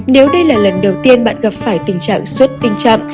nếu đây là lần đầu tiên bạn gặp phải tình trạng xuất tinh chậm